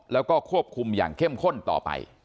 แล้วก็ควบคุมอย่างเข้มข้นต่อไป